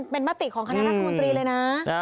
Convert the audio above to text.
เป็นมติของคณะรัฐมนตรีเลยนะ